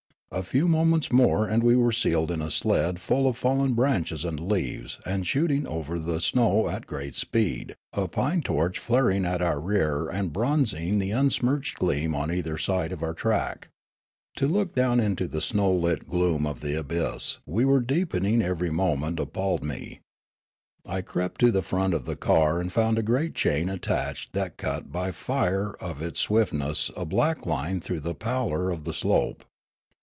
A few moments more and we were seated in a sled full of fallen branches and leaves and shooting over the syow at great speed, a pine torch flaring at our rear and bronzing the unsmirched gleam on either side of our track. To look down into the snow lit gloom of The Midnight Ascent and Flight i8i the ab5'ss we were deepening every moment appalled me. I crept to the front of the car and found a great chain attached that cut bj^ the fire of its swiftness a black line through the pallor of the slope.